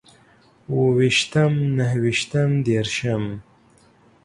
اوويشتم، نهويشتم، ديرشم